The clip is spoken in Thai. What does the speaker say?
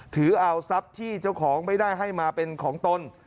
ถือเอาทรัพย์ที่เจ้าของไม่ได้ให้มาเป็นของตน